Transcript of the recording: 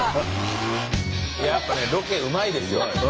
やっぱねロケうまいですよ。